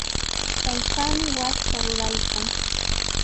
Taytaami wasita ruraykan.